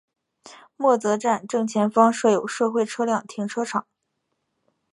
默泽站正前方设有社会车辆停车场。